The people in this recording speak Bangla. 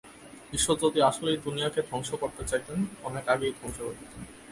ঈশ্বর যদি আসলেই দুনিয়াকে ধ্বংস করতে চাইতেন, অনেক আগেই ধ্বংস করে দিতেন।